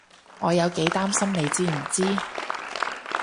我有幾擔心你知唔知？